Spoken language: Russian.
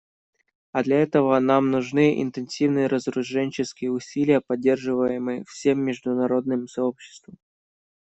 А для этого нам нужны интенсивные разоруженческие усилия, поддерживаемые всем международным сообществом.